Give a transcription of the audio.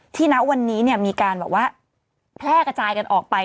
ที่ณวันนี้มีการแพร่กระจายกันออกไป